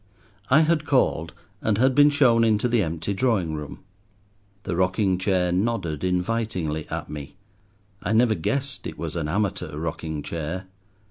I had called, and had been shown into the empty drawing room. The rocking chair nodded invitingly at me. I never guessed it was an amateur rocking chair.